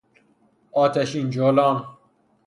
آتشین جولان